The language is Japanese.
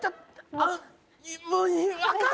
あっ！